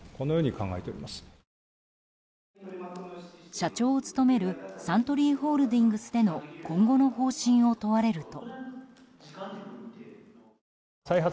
社長を務めるサントリーホールディングスでの今後の方針を問われると。